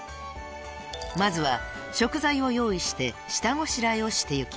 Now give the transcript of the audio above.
［まずは食材を用意して下ごしらえをしていきます］